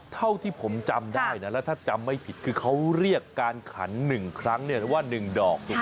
เท่าที่ผมจำได้นะแล้วถ้าจำไม่ผิดคือเขาเรียกการขัน๑ครั้งว่า๑ดอกถูกไหม